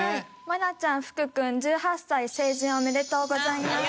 愛菜ちゃん福君１８歳成人おめでとうございます。